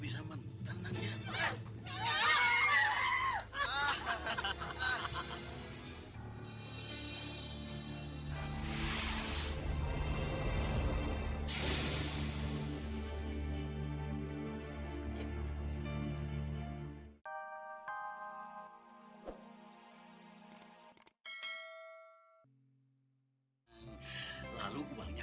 sampai jumpa di video selanjutnya